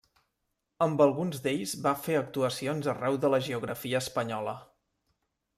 Amb alguns d'ells va fer actuacions arreu de la geografia espanyola.